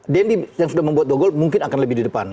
dendy yang sudah membuat dua gol mungkin akan lebih di depan